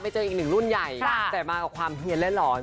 เจอกันรุ่นไอแต่มากับความเหี้ยนและหลอน